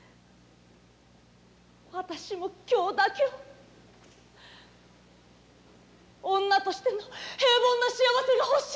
私も今日だけは女としての平凡な幸せがほしい。